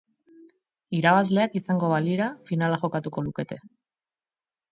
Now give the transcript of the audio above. Irabazleak izango balira finala jokatuko lukete.